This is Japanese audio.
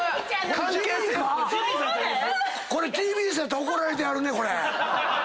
これＴＢＳやったら怒られてはるね。